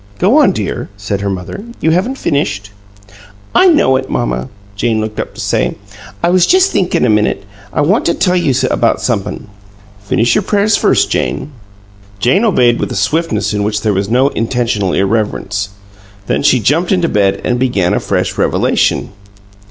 "Go on, dear," said her mother. "You haven't finished." "I know it, mamma," Jane looked up to say. "I was just thinkin' a minute. I want to tell you about somep'm." "Finish your prayers first, Jane." Jane obeyed with a swiftness in which there was no intentional irreverence. Then she jumped into bed and began a fresh revelation.